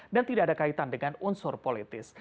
dan tidak ada kaitan dengan unsur politis